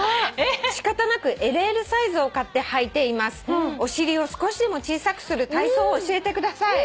「仕方なくＬＬサイズを買ってはいています」「お尻を少しでも小さくする体操を教えてください」